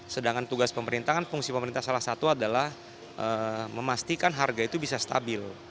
sedangkan tugas pemerintah kan fungsi pemerintah salah satu adalah memastikan harga itu bisa stabil